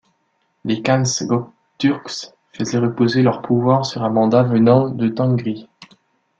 Les Khans gökturks faisait reposer leur pouvoir sur un mandat venant de Tengri.